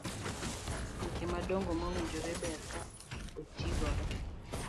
weche madongo ma owinjore ber ka otigodo.